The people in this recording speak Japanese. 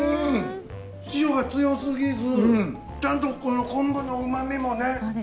塩が強過ぎずちゃんとこの昆布のうま味もね。